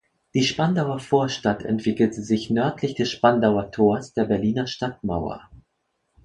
Die Spandauer Vorstadt entwickelte sich nördlich des Spandauer Tors der Berliner Stadtmauer.